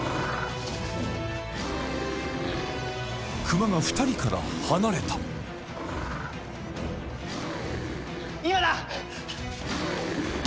クマが２人から離れた今だ！